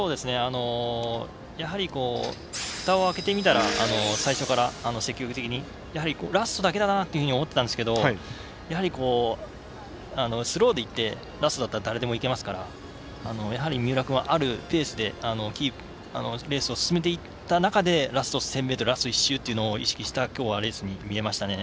やはりふたを開けてみたら最初から積極的に、やはりラストだけだなというふうに思ってたんですけどやはり、スローでいってラストだったら誰でもいけますからやはり三浦君はあるペースでレースを進めていった中でラスト１０００ｍラスト１周を意識したレースに見えましたね。